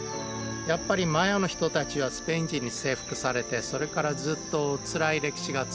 やっぱりマヤの人たちはスペイン人に征服されてそれからずっとつらい歴史が続いたんですね。